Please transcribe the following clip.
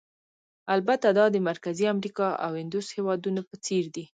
البته دا د مرکزي امریکا او اندوس هېوادونو په څېر دي.